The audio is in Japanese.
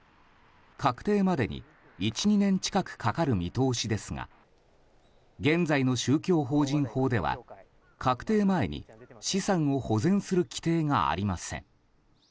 確定までに１２年近くかかる見通しですが現在の宗教法人法では確定前に資産を保全する規定がありません。